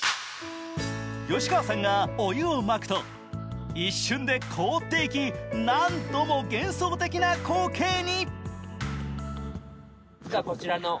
吉川さんがお湯をまくと一瞬で凍っていき、なんとも幻想的な光景に。